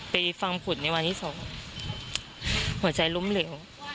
ไปฟังผลในวันที่๒หัวใจล้มเหลว